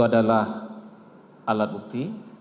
adalah alat bukti